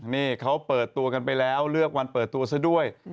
นี่เขาเปิดตัวกันไปแล้วเลือกวันเปิดตัวซะด้วย